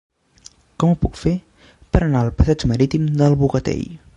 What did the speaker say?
Com ho puc fer per anar al passeig Marítim del Bogatell?